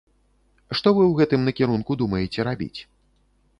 Што вы ў гэтым накірунку думаеце рабіць?